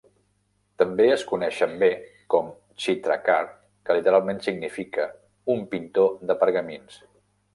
També es coneixen bé com Chitrakar, que literalment significa un pintor de pergamins.